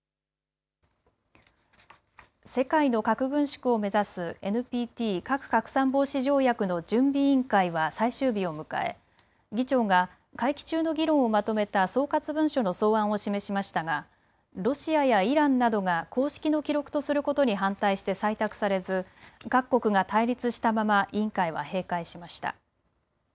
世界の核軍縮を目指すＮＰＴ・核拡散防止条約の準備委員会は最終日を迎え議長が会期中の議論をまとめた総括文書の草案を示しましたがロシアやイランなどが公式の記録とすることに反対して採択されず各国が対立したまま委員会は閉会しました。